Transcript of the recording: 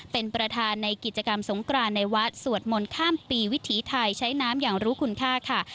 เป็นประธานในกิจกรรมสงกรานในวัดสวดมนต์ข้ามปีวิถีไทยใช้น้ำอย่างรู้คุณค่าค่ะ